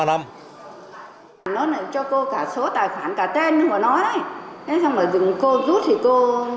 nó cho cô cả số tài khoản cả tên của nó